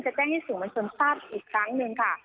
แจ้งให้สื่อมวลชนทราบอีกครั้งหนึ่งค่ะ